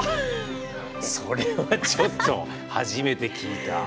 それは、ちょっと初めて聞いた。